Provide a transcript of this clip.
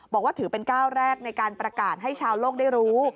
บอกว่าถือเป็นก้าวแรกในการประกาศให้ชาวโลกได้รู้